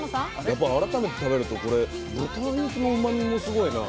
やっぱ改めて食べるとこれ豚肉のうまみもすごいな。